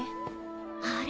あれ。